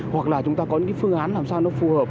hoặc là chúng ta có những phương án làm sao nó phù hợp